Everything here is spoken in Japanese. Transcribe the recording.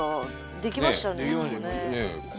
できましたねえ。